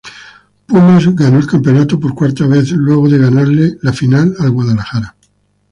Pumas ganó el campeonato por cuarta vez luego de ganarle la final al Guadalajara.